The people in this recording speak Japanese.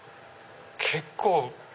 結構。